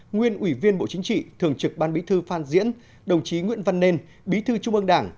nguyên ủy viên bộ chính trị thường trực ban bí thư phan diễn đồng chí nguyễn văn nên bí thư trung ương đảng